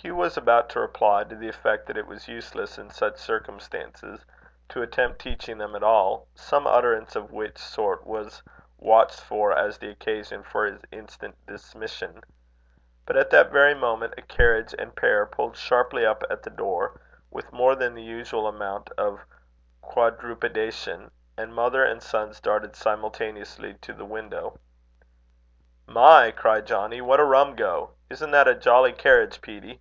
Hugh was about to reply, to the effect that it was useless, in such circumstances, to attempt teaching them at all, some utterance of which sort was watched for as the occasion for his instant dismission; but at that very moment a carriage and pair pulled sharply up at the door, with more than the usual amount of quadrupedation, and mother and sons darted simultaneously to the window. "My!" cried Johnnie, "what a rum go! Isn't that a jolly carriage, Peetie?"